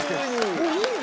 もういいの？